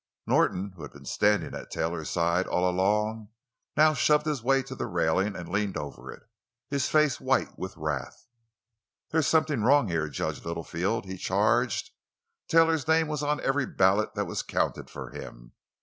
Norton, who had been standing at Taylor's side all along, now shoved his way to the railing and leaned over it, his face white with wrath. "There's something wrong here, Judge Littlefield!" he charged. "Taylor's name was on every ballot that was counted for him.